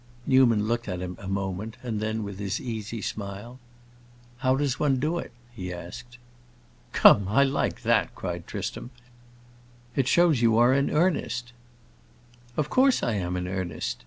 Newman looked at him a moment, and then, with his easy smile, "How does one do it?" he asked. "Come, I like that!" cried Tristram. "It shows you are in earnest." "Of course I am in earnest.